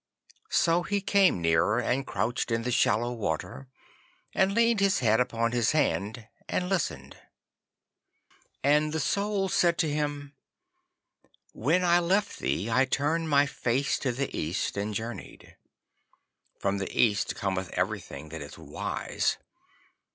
So he came nearer, and couched in the shallow water, and leaned his head upon his hand and listened. And the Soul said to him, 'When I left thee I turned my face to the East and journeyed. From the East cometh everything that is wise.